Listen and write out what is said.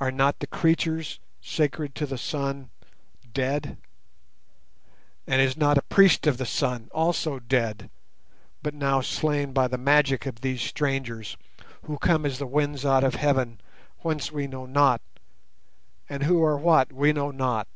Are not the creatures sacred to the Sun dead? And is not a priest of the Sun also dead, but now slain by the magic of these strangers, who come as the winds out of heaven, whence we know not, and who are what we know not?